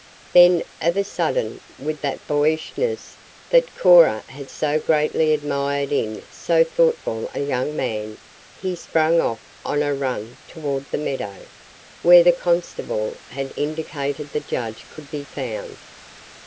Then, of a sudden, with that boyishness that Cora had so greatly admired in so thoughtful a young man, he sprang off on a run toward the meadow, where the constable had indicated the judge could be found.